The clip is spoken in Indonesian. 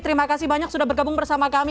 terima kasih banyak sudah bergabung bersama kami